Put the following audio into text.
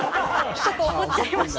ちょっと怒っちゃいました。